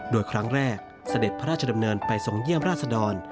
โดยครั้งแรกเสด็จพระราชดำเนินไปทรงเยี่ยมราชดร